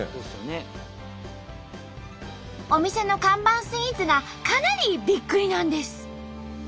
お店の看板スイーツがかなりびっくりなんです。